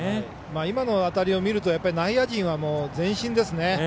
今の当たりを見ると内野陣は前進ですね。